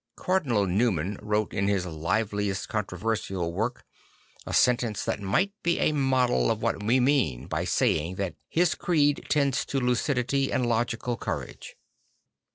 Cardinal Newman wrote in his liveliest con troversial work a sentence that might be a model of what we mean by saying that his creed tends to lucidity and logical courage.